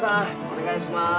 お願いします